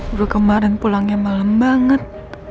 gue kemarin pulangnya malem banget